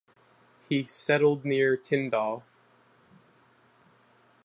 He settled near Tyndall.